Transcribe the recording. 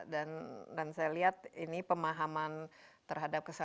dan saya lihat ini pemahaman terhadap kesana